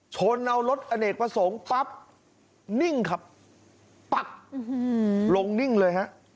ชนเอารถอเนกประสงค์ปั๊บนิ่งครับปัดลงนิ่งเลยฮะ